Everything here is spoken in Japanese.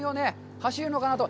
走るのかなと。